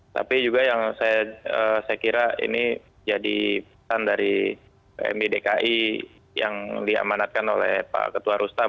tapi juga yang saya kira ini jadi pesan dari pmi dki yang diamanatkan oleh pak ketua rustam